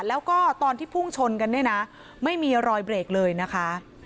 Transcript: แล้วก็ตอนที่พุ่งชนกันเนี่ยนะไม่มีรอยเบรกเลยนะคะ